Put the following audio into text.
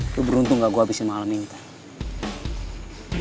lo beruntung gak gue abisin malam ini tan